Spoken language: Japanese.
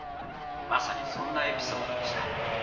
まさにそんなエピソードでした。